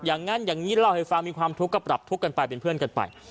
อย่างนั้นอย่างนี้เล่าให้ฟังมีความทุกข์ก็ปรับทุกข์กันไปเป็นเพื่อนกันไป